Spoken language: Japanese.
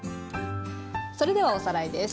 それではおさらいです。